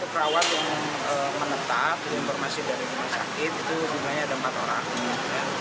perawat yang menetap informasi dari rumah sakit itu jumlahnya ada empat orang